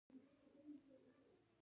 د ګازرې ګل د څه لپاره وکاروم؟